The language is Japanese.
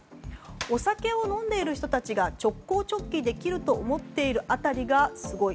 お酒を飲んでいる人たちが直行直帰できると思っている辺りがすごい。